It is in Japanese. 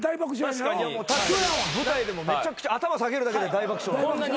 確かに舞台でもめちゃくちゃ頭下げるだけで大爆笑。